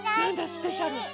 スペシャル！